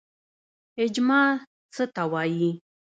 اجماع څه ته وایي؟